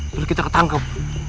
kalau kita ketangkep